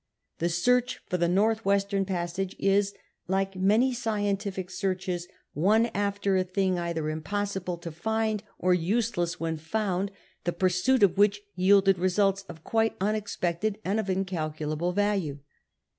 The soarcli for the North Western passage is, like many scientific searches, one after a thing either impossible to find or useless when found, the pursuit of which yielded residts of quite unexpected and of incalculable value.